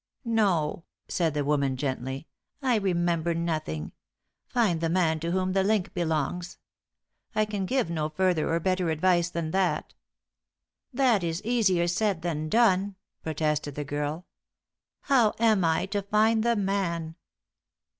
"No," said the woman gently; "I remember nothing. Find the man to whom the link belongs. I can give no further or better advice than that." "That is easier said than done," protested the girl. "How am I to find the man?"